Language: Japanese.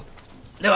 では